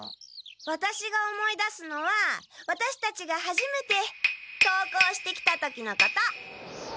ワタシが思い出すのはワタシたちがはじめて登校してきた時のこと。